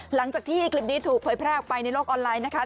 หลังจากที่คลิปนี้ถูกเผยแพร่ออกไปในโลกออนไลน์นะคะ